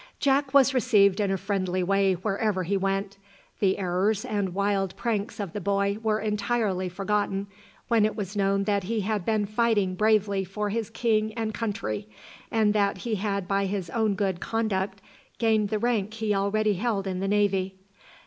Jack was received in a friendly way wherever he went. The errors and wild pranks of the boy were entirely forgotten, when it was known that he had been fighting bravely for his king and country, and that he had by his own good conduct gained the rank he already held in the navy.